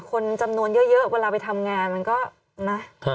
คนจำนวนเยอะเวลาไปทำงานมันก็นะ